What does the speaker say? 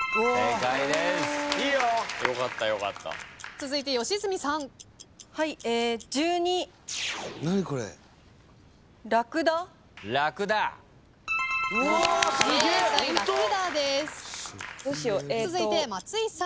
続いて松井さん。